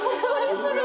すごい。